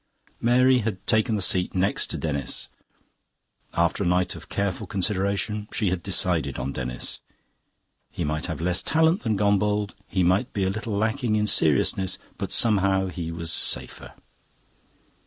Mary had taken the seat next to Denis's. After a night of careful consideration she had decided on Denis. He might have less talent than Gombauld, he might be a little lacking in seriousness, but somehow he was safer.